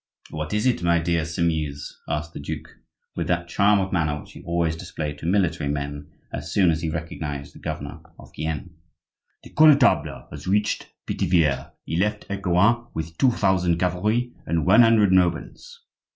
"What is it, my dear Simeuse?" asked the duke, with that charm of manner which he always displayed to military men, as soon as he recognized the governor of Gien. "The Connetable has reached Pithiviers; he left Ecouen with two thousand cavalry and one hundred nobles."